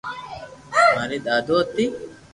ماري دادو ھتي